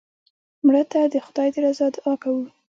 مړه ته د خدای د رضا دعا کوو